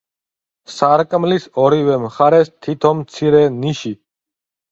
სარკმლის ორივე მხარეს თითო მცირე ნიში.